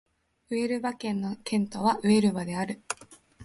ウエルバ県の県都はウエルバである